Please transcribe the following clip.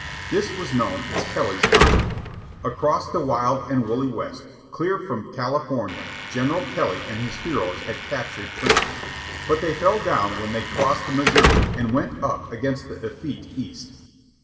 This was known as "Kelly's Army." Across the wild and woolly West, clear from California, General Kelly and his heroes had captured trains; but they fell down when they crossed the Missouri and went up against the effete East.